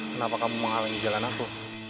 kenapa kamu menghalangi jalan aku